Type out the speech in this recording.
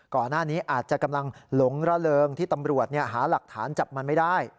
ก่อนหน้านี้อาจจะกำลังหลงระเริงที่ตำรวจหาหลักฐานจับมันไม่ได้